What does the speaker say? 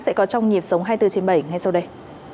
sẽ có trong nhịp sống hai mươi bốn trên bảy ngay sau đây